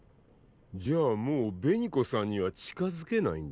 じゃあもう紅子さんには近づけないんで？